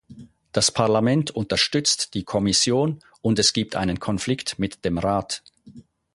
Das Parlament unterstützt die Kommission, und es gibt einen Konflikt mit dem Rat.